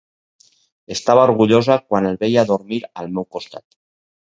Estava orgullosa quan el veia dormint al meu costat.